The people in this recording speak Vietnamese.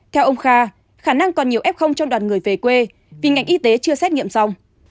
theo ông kha khả năng còn nhiều f cho đoàn người về quê vì ngành y tế chưa xét nghiệm xong